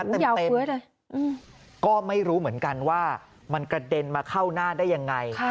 เต็มก็ไม่รู้เหมือนกันว่ามันกระเด็นมาเข้าหน้าได้ยังไง